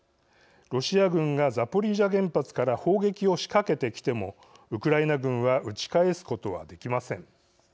ロシア軍がザポリージャ原発から砲撃を仕掛けてきてもウクライナ軍は撃ち返すことはできません。